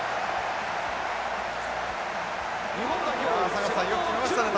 坂田さんよく決めましたね